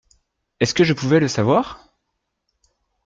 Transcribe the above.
Est-ce que je pouvais le savoir ?